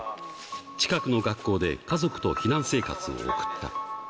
近くの学校で家族と避難生活を送った。